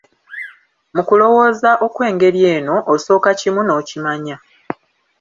Mu kulowooza okw'engeri eno, osooka kimu n'okimanya.